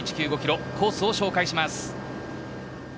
コースを紹介します。